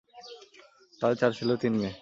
তাদের চার ছেলে ও তিন মেয়ে।